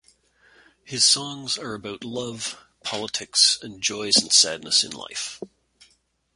His songs are about love, politics and joys and sadness in life.